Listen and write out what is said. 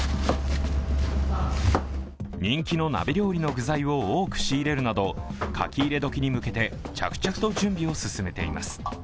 人気の鍋料理の具材を多く仕入れるなど、書き入れ時に向けて着々と準備を進めています。